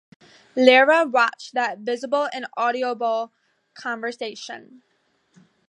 Lyra watched that visible inaudible conversation.